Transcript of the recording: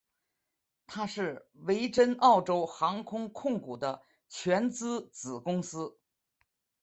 它是维珍澳洲航空控股的全资子公司。